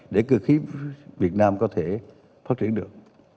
để cơ khí việt nam có thể phát triển được